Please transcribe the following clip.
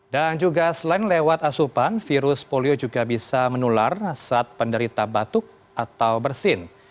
dan juga selain lewat asupan virus polio juga bisa menular saat penderita batuk atau bersin